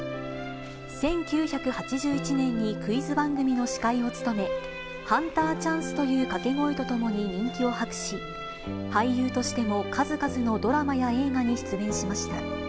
１９８１年にクイズ番組の司会を務め、ハンターチャンス！という掛け声とともに人気を博し、俳優としても数々のドラマや映画に出演しました。